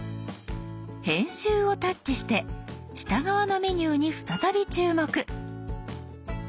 「編集」をタッチして下側のメニューに再び注目。